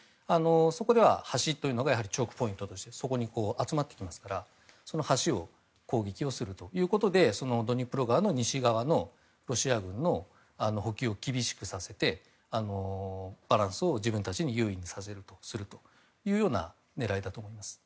そこでは橋がチョークポイントとしてそこに集まってきますから橋を攻撃するということでドニプロ川の西側のロシア軍の補給を厳しくさせて、バランスを自分たちに有利にさせるという狙いだと思います。